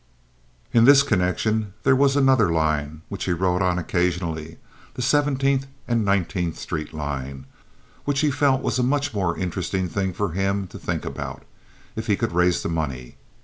In this connection, there was another line, which he rode on occasionally, the Seventeenth and Nineteenth Street line, which he felt was a much more interesting thing for him to think about, if he could raise the money.